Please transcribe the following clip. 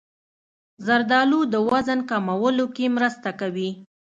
زردالو د وزن کمولو کې مرسته کوي.